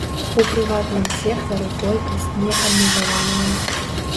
У прыватным сектары колькасць не абмежаваная.